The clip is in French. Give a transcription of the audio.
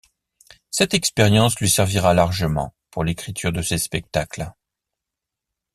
Cette expérience lui servira largement pour l’écriture de ses spectacles.